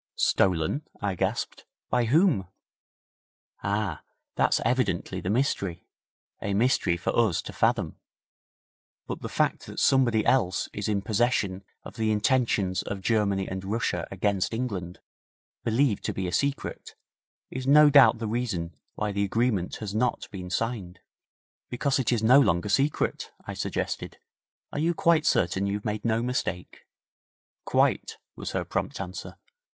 'Stolen!' I gasped. 'By whom?' 'Ah! that's evidently the mystery a mystery for us to fathom. But the fact that somebody else is in possession of the intentions of Germany and Russia against England, believed to be a secret, is no doubt the reason why the agreement has not been signed.' 'Because it is no longer secret!' I suggested. 'Are you quite certain you've made no mistake?' 'Quite,' was her prompt answer.